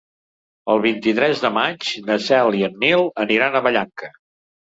El vint-i-tres de maig na Cel i en Nil aniran a Vallanca.